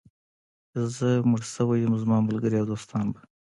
چې زه مړ شوی یم، زما ملګري او دوستان به.